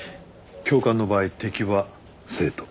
教官の場合敵は生徒。